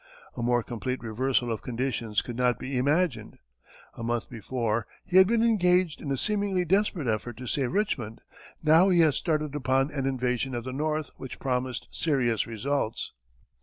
A more complete reversal of conditions could not be imagined; a month before, he had been engaged in a seemingly desperate effort to save Richmond; now he had started upon an invasion of the North which promised serious results.